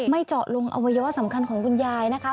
เจาะลงอวัยวะสำคัญของคุณยายนะคะ